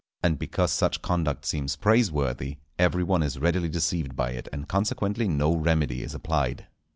And because such conduct seems praiseworthy, every one is readily deceived by it, and consequently no remedy is applied.